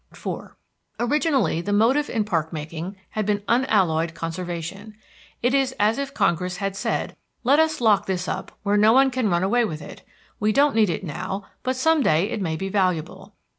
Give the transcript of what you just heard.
IV Originally the motive in park making had been unalloyed conservation. It is as if Congress had said: "Let us lock this up where no one can run away with it; we don't need it now, but some day it may be valuable."